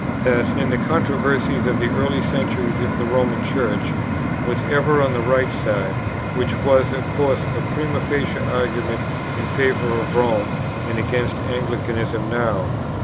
that in the controversies of the early centuries the Roman Church was ever on the right side, which was of course a primâ facie argument in favour of Rome and against Anglicanism now.